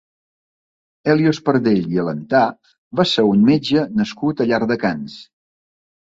Hèlios Pardell i Alentà va ser un metge nascut a Llardecans.